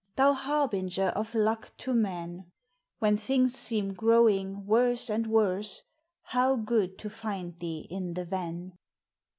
Thou harbinger of luck to man! When things seem growing worse and worse, How good to find thee in the van!